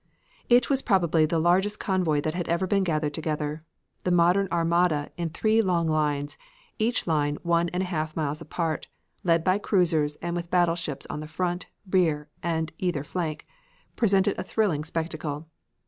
It was probably the largest convoy that had ever been gathered together. This modern armada in three long lines, each line one and one half miles apart, led by cruisers and with battleships on the front, rear and either flank, presented a thrilling spectacle.